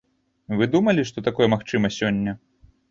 Вы думалі, што такое магчыма сёння?